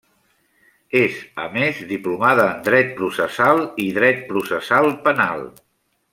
És, a més, diplomada en Dret Processal i Dret Processal Penal.